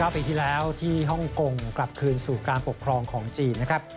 ปีที่แล้วที่ฮ่องกงกลับคืนสู่การปกครองของจีนนะครับ